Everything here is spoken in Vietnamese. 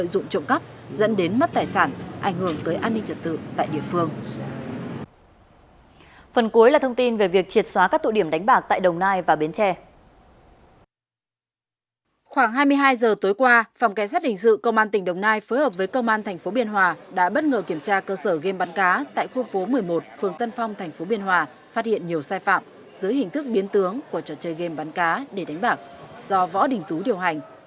khoảng hai mươi hai giờ tối qua phòng kẻ xác định sự công an tỉnh đồng nai phối hợp với công an thành phố biên hòa đã bất ngờ kiểm tra cơ sở game bắn cá tại khu phố một mươi một phường tân phong thành phố biên hòa phát hiện nhiều sai phạm dưới hình thức biến tướng của trò chơi game bắn cá để đánh bạc do võ đình tú điều hành